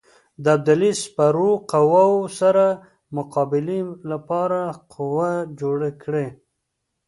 د ابدالي د سپرو قواوو سره مقابلې لپاره قوه جوړه کړي.